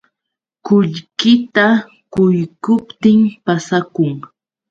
Qullqita quykuptin pasakun.